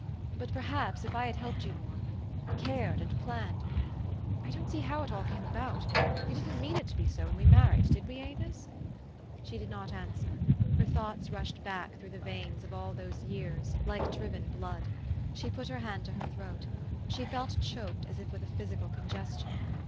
"But perhaps, if I had helped you more cared and planned I don't see how it all came about. We didn't mean it to be so when we married, did we, Avis? " She did not answer. Her thoughts rushed back through the veins of all those years, like driven blood. She put her hand to her throat. She felt choked, as if with a physical congestion.